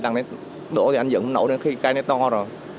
lần này đổ thì anh dựng không nổi nữa khi cây này to rồi